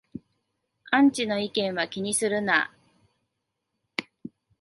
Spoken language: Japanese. アンチの意見は気にするな